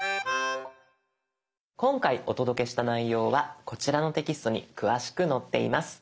今回お届けした内容はこちらのテキストに詳しく載っています。